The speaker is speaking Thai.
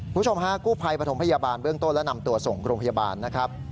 คุณผู้ชมฮะกู้ภัยปฐมพยาบาลเบื้องต้นและนำตัวส่งโรงพยาบาลนะครับ